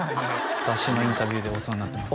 雑誌のインタビューでお世話になってます